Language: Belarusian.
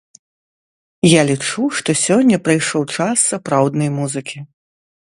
Я лічу, што сёння прыйшоў час сапраўднай музыкі.